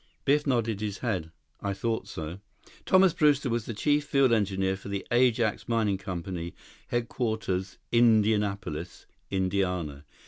Biff nodded his head. "I thought so." Thomas Brewster was the chief field engineer for the Ajax Mining Company, headquarters Indianapolis, Indiana.